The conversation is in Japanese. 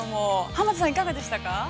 濱田さん、いかがでしたか。